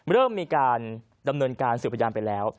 เริ่มมีการดำเนินการสื่อพยานไปแล้ว